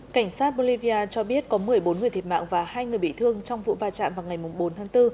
cảnh sát bolivia cho biết có một mươi bốn người thiệt mạng và hai người bị thương trong vụ va chạm vào ngày bốn tháng bốn